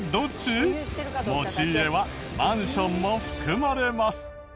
持ち家はマンションも含まれます。